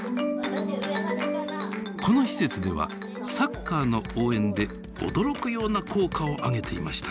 この施設ではサッカーの応援で驚くような効果を上げていました。